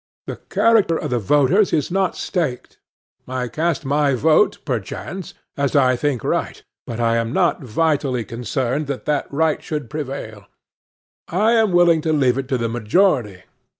The character of the voters is not staked. I cast my vote, perchance, as I think right; but I am not vitally concerned that that right should prevail. I am willing to leave it to the majority.